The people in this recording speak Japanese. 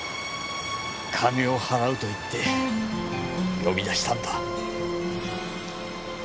金を払うと言って呼び出したんだ。